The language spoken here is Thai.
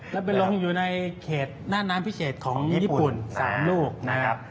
แล้วไปลงอยู่ในเขตหน้าน้ำพิเศษของญี่ปุ่น๓ลูกนะครับ